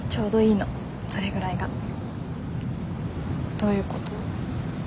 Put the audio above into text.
どういうこと？